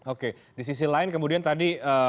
oke di sisi lain kemudian tadi